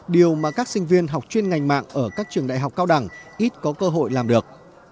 điều mà các sinh viên học chuyên ngành mạng ở các trường đại học cao đẳng ít có cơ hội làm được